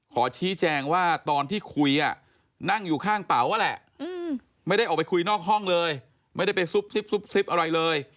ขอชี้แจงว่าตอนที่คุยนั่งอยู่ข้างเป๋านั่นแหละไม่ได้ออกไปคุยนอกห้องเลยไม่ได้ไปซุบซิบอะไรเลย